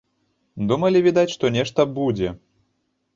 Думалі, відаць, што нешта будзе.